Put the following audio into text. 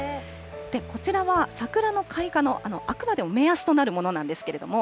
こちらは桜の開花のあくまでも目安となるものなんですけれども。